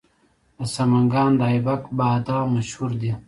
د سمنګان د ایبک بادام مشهور دي.